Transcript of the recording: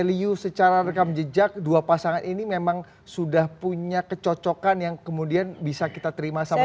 value secara rekam jejak dua pasangan ini memang sudah punya kecocokan yang kemudian bisa kita terima sama sama